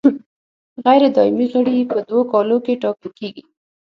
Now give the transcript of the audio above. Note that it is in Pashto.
غیر دایمي غړي په دوو کالو کې ټاکل کیږي.